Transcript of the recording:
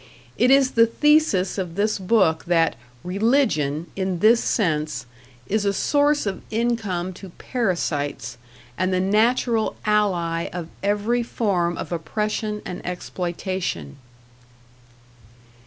It is the thesis of this book that "Religion" in this sense is a source of income to parasites, and the natural ally of every form of oppression and exploitation.